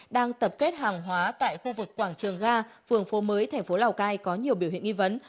đang tập kết hàng hóa tại khu vực quảng trường ga phường phố mới thành phố lào cai có nhiều biểu hiện nghi vấn